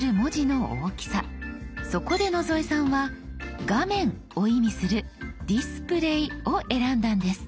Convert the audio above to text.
そこで野添さんは「画面」を意味する「ディスプレイ」を選んだんです。